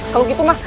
kalau gitu mah